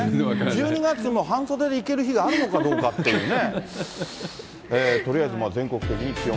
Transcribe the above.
１２月も半袖でいける日があるのかどうかっていうね。